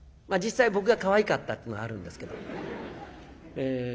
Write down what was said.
実際僕がかわいかったっていうのがあるんですけど。